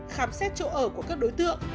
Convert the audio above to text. khám xét chỗ ở của các đối tượng